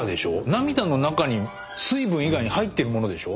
涙の中に水分以外に入ってるものでしょ？